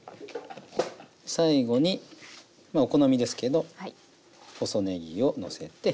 最後にお好みですけど細ねぎをのせて。